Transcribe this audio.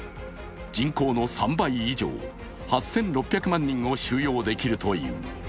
人口の３倍以上、８６００万人を収容できるという。